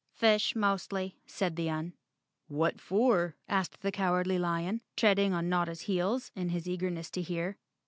"Fish, mostly," said the Un. "What for?" asked the Cowardly Lion, treading on Notta's heels in his eagerness to hear.